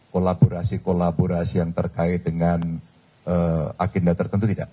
kolaborasi kolaborasi yang terkait dengan agenda tertentu tidak